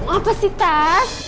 apa sih tas